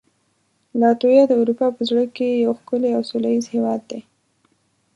لاتویا د اروپا په زړه کې یو ښکلی او سولهییز هېواد دی.